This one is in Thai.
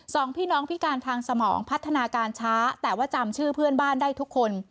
สองพี่น้องพิการทางสมองพัฒนาการช้าแต่ว่าจำชื่อเพื่อนบ้านได้ทุกคน